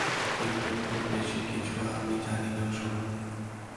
কিন্তু খুব বেশিকিছু আমি জানিনে ওর সম্বন্ধে।